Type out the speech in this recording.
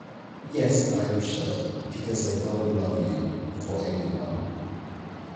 Yes, I am sure. Because, I don't love you, for anyone.